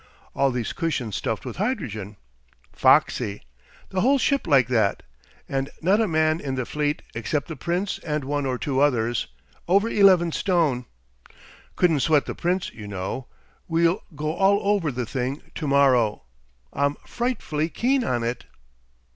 All these cushions stuffed with hydrogen. Foxy! The whole ship's like that. And not a man in the fleet, except the Prince and one or two others, over eleven stone. Couldn't sweat the Prince, you know. We'll go all over the thing to morrow. I'm frightfully keen on it."